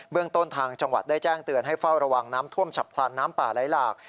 เรื่องต้นทางจังหวัดได้แจ้งเตือนให้เฝ้าระวังน้ำท่วมฉับพลันน้ำป่าไหลหลาก